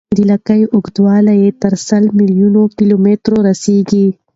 لکۍ اوږدوالی یې تر سل میلیون کیلومتره رسیږي.